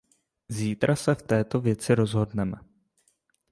Zítra se v této věci rozhodneme.